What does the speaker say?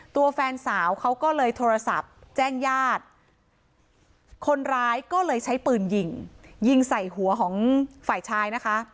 ตัวแฟนสาวเขาก็เลยโทรศัพท์แจ้งญาติคนร้ายก็เลยใช้ปืนยิงยิงใส่หัวของฝ่ายชายนะคะ